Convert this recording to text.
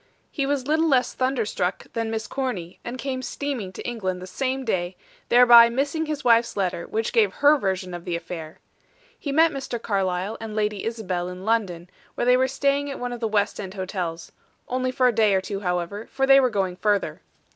He was little less thunderstruck than Miss Corny, and came steaming to England the same day, thereby missing his wife's letter, which gave her version of the affair. He met Mr. Carlyle and Lady Isabel in London, where they were staying at one of the west end hotels only for a day or two, however, for they were going further.